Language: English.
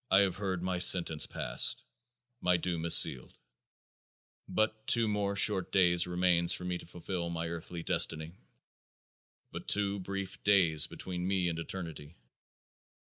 I have heard my sentence passed; my doom is sealed. But two more short days remains for me to fulfill my earthly destiny. But two brief days between me and eternity.